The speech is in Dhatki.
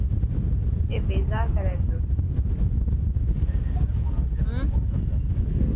اي بيزار ڪري پيو.